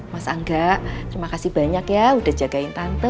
mas angga terima kasih banyak ya udah jagain tante